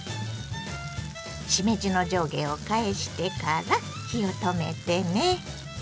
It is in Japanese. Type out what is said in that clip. しめじの上下を返してから火を止めてね。